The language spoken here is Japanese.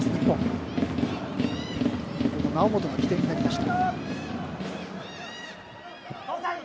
猶本が起点になりました。